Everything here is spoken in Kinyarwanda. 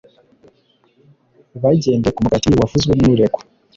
Bagendeye ku mugati wavuzwe n’uregwa